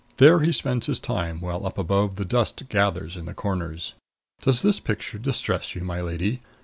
There he spends his time, while up above the dust gathers in the corners Does this picture distress you, my lady?